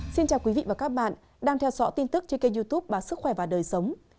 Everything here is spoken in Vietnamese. xin chào quý vị và các bạn đang theo dõi tin tức trên kênh youtube báo sức khỏe và đời sống